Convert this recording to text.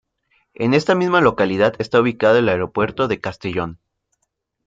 En esta misma localidad está ubicado el Aeropuerto de Castellón.